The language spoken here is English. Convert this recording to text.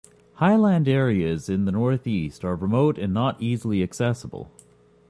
Highland areas in the north-east are remote and not easily accessible.